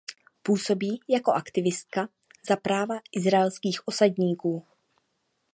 Působí jako aktivistka za práva izraelských osadníků.